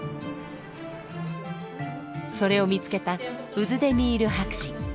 それを見つけたウズデミール博士。